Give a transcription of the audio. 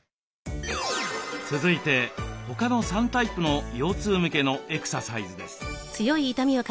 続いて他の３タイプの腰痛向けのエクササイズです。